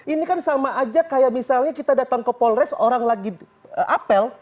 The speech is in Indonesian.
ini kan sama aja kayak misalnya kita datang ke polres orang lagi apel